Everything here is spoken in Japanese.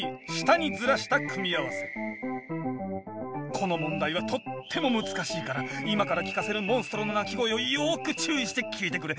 この問題はとっても難しいから今から聞かせるモンストロの鳴き声をよく注意して聞いてくれ。